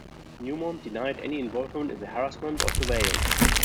Newmont denied any involvement in the harassment or surveillance.